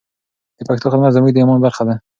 د پښتو خدمت زموږ د ایمان برخه ده.